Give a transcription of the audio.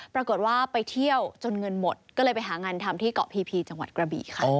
ปรากฏว่าไปเที่ยวจนเงินหมดก็เลยไปหางานทำที่เกาะพีจังหวัดกระบี่ค่ะ